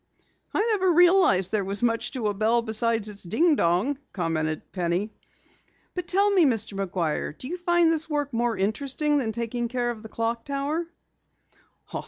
"I never realized there was much to a bell besides its ding dong," commented Penny. "But tell me, Mr. McGuire, do you find this work more interesting than taking care of the Clock Tower?"